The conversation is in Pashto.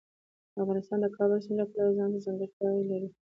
افغانستان د کابل سیند له پلوه ځانته ځانګړتیاوې لري.